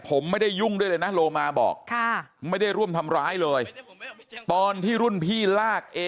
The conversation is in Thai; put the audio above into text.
ผมไม่ได้ยุ่งด้วยเลยนะโลมาบอกไม่ได้ร่วมทำร้ายเลยตอนที่รุ่นพี่ลากเอ